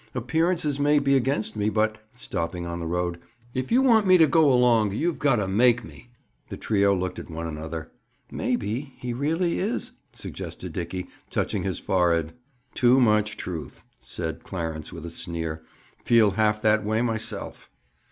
Appearances may be against me, but," stopping in the road, "if you want me to go along, you've got to make me." The trio looked at one another. "Maybe, he really is—" suggested Dickie, touching his forehead. "Too much truth!" said Clarence with a sneer. "Feel half that way, myself!"